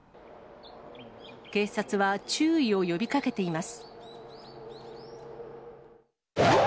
警察は注意を呼びかけています。